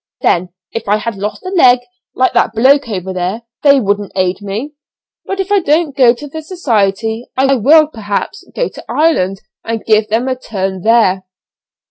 Then, if I had lost a leg, like that bloke over there, they wouldn't aid me. But if I don't go to the society I will, perhaps, go to Ireland and give them a turn there."